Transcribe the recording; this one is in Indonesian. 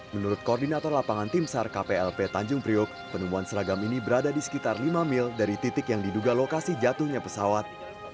menurut koordinator lapangan tim sar kplp tanjung priok penemuan seragam ini berada di sekitar lima mil dari titik yang diduga lokasi jatuhnya pesawat